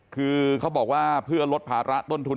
คือเขาบอกว่าเพื่อลดภาระต้นทุน